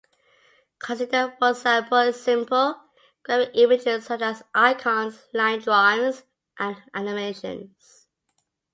Consider, for example, simple graphic images such as icons, line drawings, and animations.